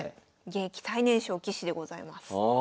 現役最年少棋士でございます。